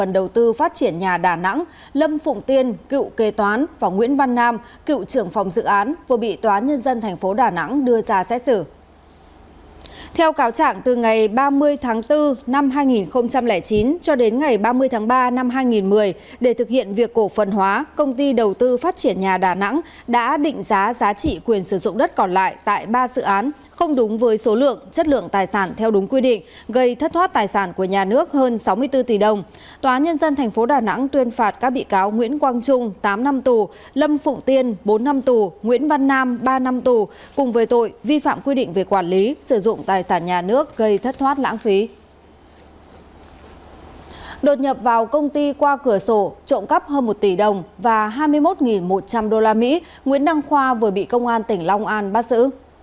đột nhập vào công ty qua cửa sổ trộm cắp hơn một tỷ đồng và hai mươi một một trăm linh usd nguyễn đăng khoa vừa bị công an tỉnh long an bắt giữ